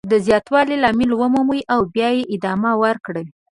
د زیاتوالي لامل ومومئ او بیا یې ادامه ورکړئ.